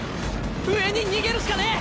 上に逃げるしかねぇ！